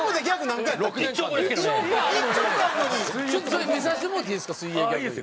それ見させてもろうていいですか水泳ギャグ。